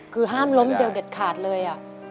คือห้ามล้มเดียวเด็ดขาดเลย